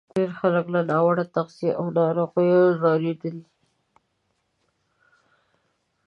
ډېری خلک له ناوړه تغذیې او ناروغیو ځورېدل.